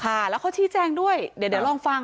ค่ะแล้วเขาชี้แจงด้วยเดี๋ยวลองฟัง